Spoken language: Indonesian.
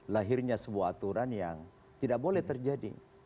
lahirnya sebuah aturan yang tidak boleh terjadi